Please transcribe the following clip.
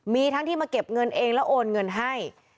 มีทั้งที่มาเก็บเงินเองแล้วโอนเงินให้